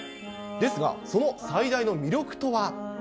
ですが、その最大の魅力とは。